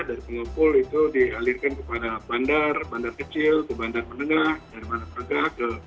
dari pengepul itu dialirkan kepada bandar bandar kecil ke bandar menengah ke bandar perga